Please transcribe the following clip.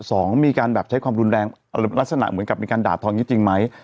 สองมีการแบบใช้ความรุนแรงอะไรลักษณะเหมือนกับมีการด่าทออย่างนี้จริงไหม